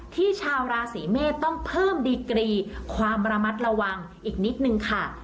ชาวราศีเมษต้องเพิ่มดีกรีความระมัดระวังอีกนิดนึงค่ะ